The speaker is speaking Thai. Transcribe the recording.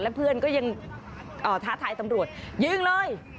เพื่อนก็ยังท้าทายตำรวจยิงเลย